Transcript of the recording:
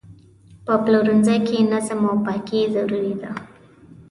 په پلورنځي کې نظم او پاکي ضروري ده.